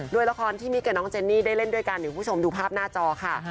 โดยละครที่มิกกับน้องเจนนี่ได้เล่นด้วยกันเดี๋ยวคุณผู้ชมดูภาพหน้าจอค่ะ